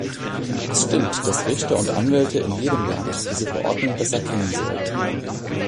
Es stimmt, dass Richter und Anwälte in jedem Land diese Verordnung besser kennen sollten.